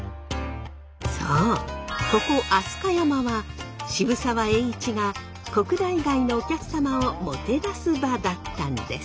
そうここ飛鳥山は渋沢栄一が国内外のお客様をもてなす場だったんです。